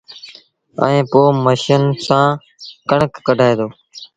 ائيٚݩ پو ميشن سآݩ ڪڻڪ ڪڍآئي دو